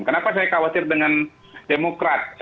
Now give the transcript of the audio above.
kenapa saya khawatir dengan demokrat